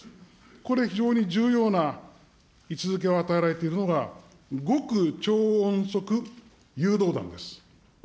これ、非常に重要な位置づけを与えられているのが、極超音速誘導弾です。